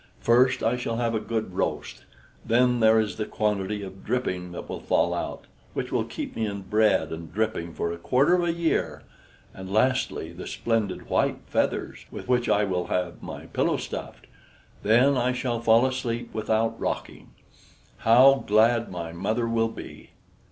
"First, I shall have a good roast; then there is the quantity of dripping that will fall out, which will keep me in bread and dripping for a quarter of a year; and lastly, the splendid white feathers, with which I will have my pillow stuffed; then I shall fall asleep without rocking. How glad my mother will be!"